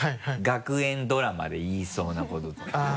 「学園ドラマで言いそうなこと」とか。